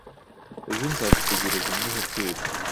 Ejo nzagutegereza muri hoteri.